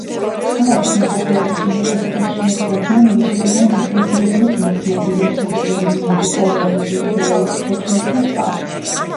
ქალაქის მოსახლეობის უმეტესობას შეადგენდნენ რუსეთიდან რეპრესირებული ბერძნები, რუსები, გერმანელები, კორეელები, ებრაელები, ჩეჩნები და სხვა.